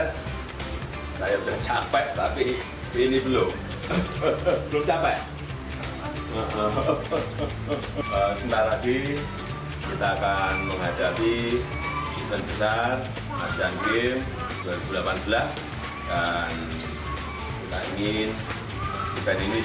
satu jam saya bermain luar raga dengan jan etes